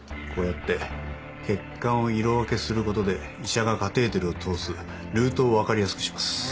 こうやって血管を色分けすることで医者がカテーテルを通すルートを分かりやすくします。